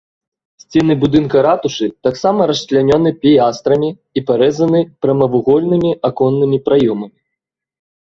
Сцены будынка ратушы таксама расчлянёны пілястрамі і прарэзаны прамавугольнымі аконнымі праёмамі.